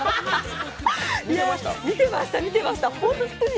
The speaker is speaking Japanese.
見てました、見てました。